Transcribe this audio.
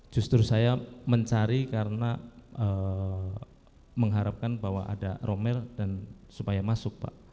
justru saya mencari karena mengharapkan bahwa ada romel dan supaya masuk pak